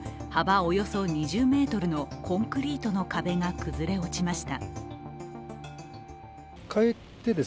およそ２０ｍのコンクリートの壁が崩れ落ちました。